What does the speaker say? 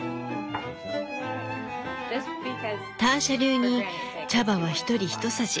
ターシャ流に茶葉は一人ひとさじ。